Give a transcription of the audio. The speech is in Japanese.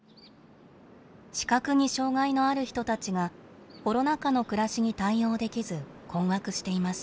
視覚に障害のある人たちがコロナ禍の暮らしに対応できず困惑しています。